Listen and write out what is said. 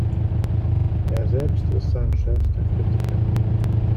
Er selbst ist sein schärfster Kritiker.